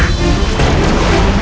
kalau sampai dia mengenaliku